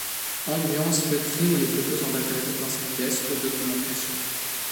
Ambiance feutrée où les photos sont interdites dans cette pièce aux documents précieux.